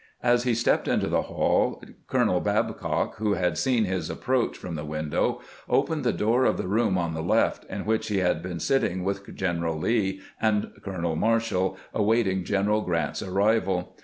As he stepped into the hall, Colonel Babcock, who had seen his ap proach from the window, opened the door of the room on the left, in which he had been sitting with General Lee and Colonel Marshall awaiting G en eral Grant's arrival.